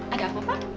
ada apa pak